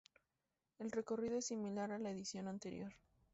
El recorrido es similar a la edición anterior.